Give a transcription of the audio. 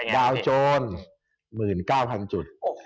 ดาวโจรหมื่นเก้าพันจุด